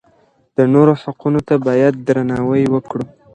د نورو حقونو ته بايد درناوی وکړو.